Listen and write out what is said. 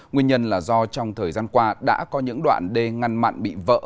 nguyên nhân là do trong thời gian qua đã có những đoạn đê ngăn mặn bị vỡ